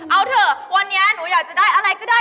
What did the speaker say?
เอาเถอะวันนี้หนูอยากจะได้อะไรก็ได้